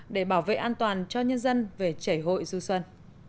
để bảo vệ an toàn cho nhân dân về chảy hội du xuân